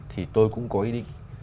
thì tôi cũng có ý định